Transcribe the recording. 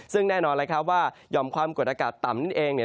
ซึ่งแน่นอนว่าหย่อมความกดอากาศต่ำนั่นเอง